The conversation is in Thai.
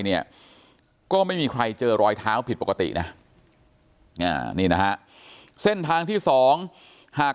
เนี่ยก็ไม่มีใครเจอรอยเท้าผิดปกตินะนี่นะฮะเส้นทางที่สองหาก